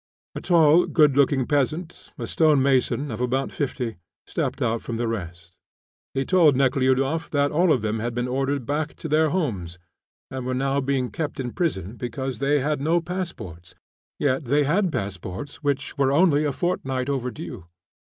A tall, good looking peasant, a stone mason, of about fifty, stepped out from the rest. He told Nekhludoff that all of them had been ordered back to their homes and were now being kept in prison because they had no passports, yet they had passports which were only a fortnight overdue.